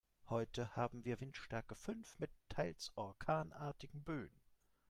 Heute haben wir Windstärke fünf mit teils orkanartigen Böen.